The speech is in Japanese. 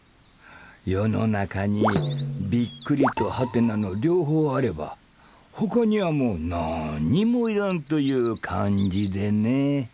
世の中に「！」と「？」の両方あればほかにはもう何にもいらんという感じでね。